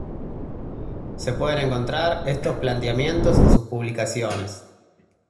Se pueden encontrar estos planteamientos en sus publicaciones